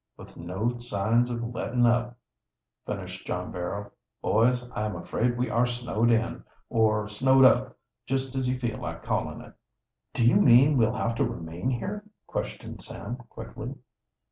"With no signs of letting up," finished John Barrow. "Boys, I am afraid we are snowed in, or snowed up, just as you feel like calling it." "Do you mean we'll have to remain here?" questioned Sam quickly.